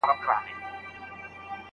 لارښود استاد د موضوع په ټاکلو کي مرسته کوي.